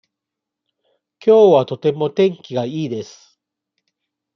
きょうはとても天気がいいです。